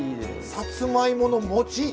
さつまいもの？